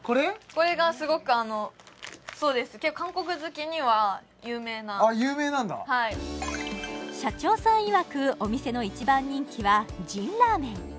これがすごくあのそうですあっ有名なんだはい社長さんいわくお店の一番人気はジンラーメン